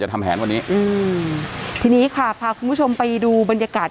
ทำแผนวันนี้อืมทีนี้ค่ะพาคุณผู้ชมไปดูบรรยากาศ